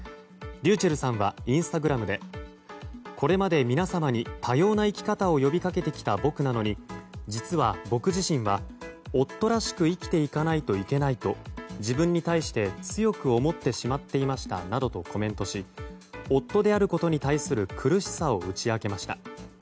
ｒｙｕｃｈｅｌｌさんはインスタグラムでこれまで、皆様に多様な生き方を呼び掛けてきた僕なのに実は僕自身は夫らしく生きていかないといけないと自分に対して強く思ってしまっていましたなどとコメントし夫であることに対する苦しさを打ち明けました。